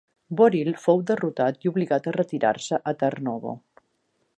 Boril fou derrotat i obligat a retirar-se a Tarnovo.